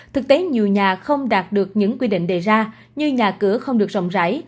thực tế nhiều nhà không đạt được những quy định đề ra như nhà cửa không được rộng rãi